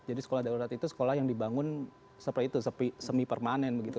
jadi sekolah darurat itu sekolah yang dibangun seperti itu semi permanen begitu